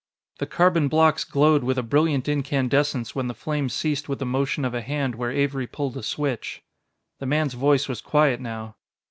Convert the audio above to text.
The carbon blocks glowed with a brilliant incandescence when the flame ceased with the motion of a hand where Avery pulled a switch. The man's voice was quiet now.